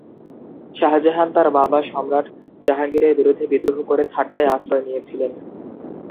শাহজাহান তার বাবা সম্রাট জাহাঙ্গীরের বিরুদ্ধে বিদ্রোহ করে থাট্টায় আশ্রয় নিয়েছিলেন।